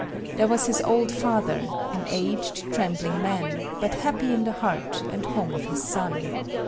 There was his old father, an aged, trembling man, but happy in the heart and home of his son.